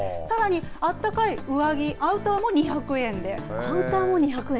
さらに、あったかい上着、アウターも２００円で。